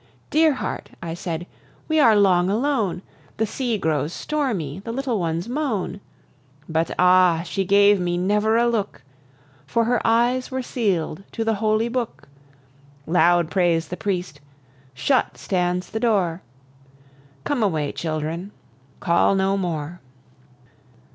Dear heart," I said, "we are long alone; The sea grows stormy, the little ones moan." But, ah, she gave me never a look, For her eyes were seal'd to the holy book! Loud prays the priest: shut stands the door. Come away, children, call no more!